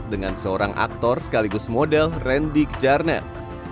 dengan seorang aktor sekaligus model randy kejarnet